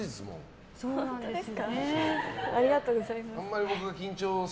ありがとうございます。